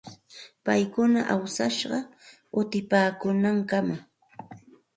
Paykuna awsashqa utipaakuunankamam.